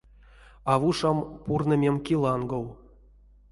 Авушам пурнымем ки лангов.